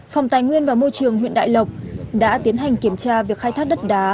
phòng tài nguyên và môi trường huyện đại lộc đã tiến hành kiểm tra việc khai thác đất đá